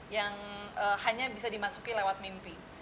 yang hanya bisa dimasuki lewat mimpi